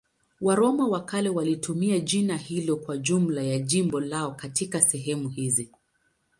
Waroma wa kale walitumia jina hilo kwa jumla ya jimbo lao katika sehemu hizi.